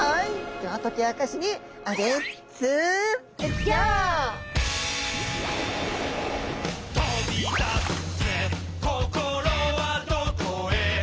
では解き明かしにあっ「飛び出すぜ心はどこへ」